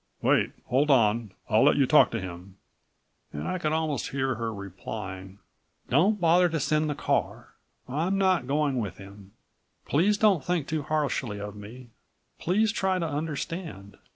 Wait, hold on I'll let you talk to him!" And I could almost hear her replying: "Don't bother to send the car. I'm not going with him. Please don't think too harshly of me, please try to understand.